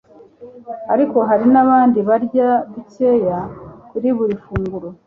ariko hari nabandi barya dukeya kuri buri funguro